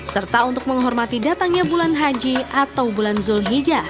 serta untuk menghormati datangnya bulan haji atau bulan zulhijjah